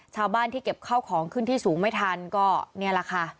ชาวบ้านที่เก็บเข้าของขึ้นที่สูงไม่ทันก็นี่แหละค่ะ